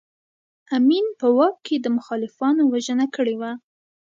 امین په واک کې د مخالفانو وژنه کړې وه.